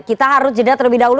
kita harus jeda terlebih dahulu